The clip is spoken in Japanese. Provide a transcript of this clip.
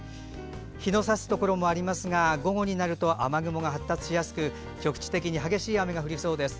日のさすところもありますが午後になると雨雲が発達しやすく局地的に激しい雨が降りそうです。